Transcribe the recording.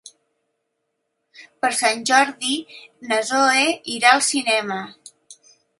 Per Sant Jordi na Zoè irà al cinema.